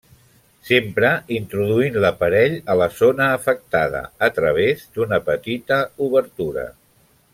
S'empra introduint l'aparell a la zona afectada, a través d'una petita obertura.